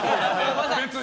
別に。